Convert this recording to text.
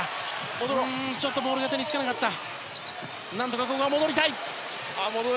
ちょっとボールが手につかなかった。